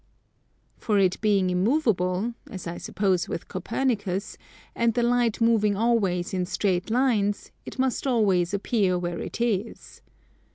For it being immovable, as I suppose with Copernicus, and the light moving always in straight lines, it must always appear where it is.